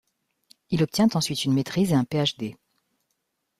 Il obtient ensuite une maitrise et un Ph.D.